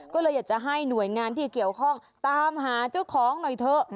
ก็เลยอยากจะให้หน่วยงานที่เกี่ยวข้องตามหาเจ้าของหน่อยเถอะ